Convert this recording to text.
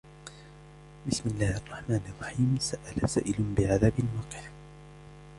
بسم الله الرحمن الرحيم سأل سائل بعذاب واقع